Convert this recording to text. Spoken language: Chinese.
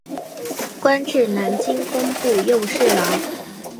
官至南京工部右侍郎。